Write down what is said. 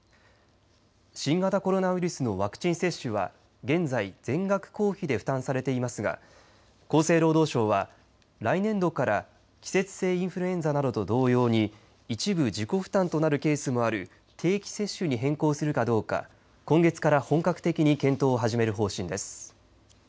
新型コロナウイルスのワクチン接種は現在、全額公費で負担されていますが厚生労働省は来年度から季節性インフルエンザなどと同様に一部自己負担となるケースもある定期接種に変更するかどうか今月から本格的に検討を始める方針です。